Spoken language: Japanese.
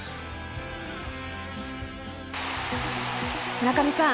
村上さん